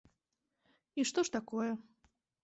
І што ж такое.